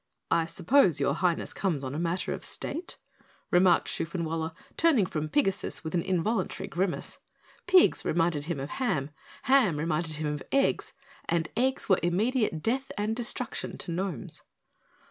"I suppose your Highness comes on a matter of state?" remarked Shoofenwaller, turning from Pigasus with an involuntary grimace. Pigs reminded him of ham ham reminded him of eggs, and eggs were immediate death and destruction to gnomes.